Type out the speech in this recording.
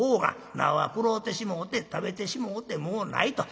菜は食ろうてしもうて食べてしもうてもうないと。